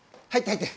入って！